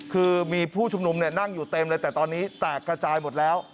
คือมีผู้ชุมนุมนั่งอยู่เต็มเลยแต่ตอนนี้แตกกระจายหมดแล้ว